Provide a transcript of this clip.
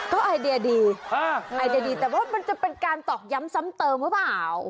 ก็ไอเดียดีไอเดียดีแต่ว่ามันจะเป็นการตอกย้ำซ้ำเติมหรือเปล่า